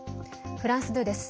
フランス２です。